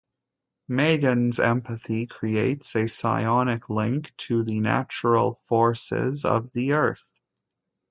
Meggan's empathy creates a psionic link to the natural forces of the Earth.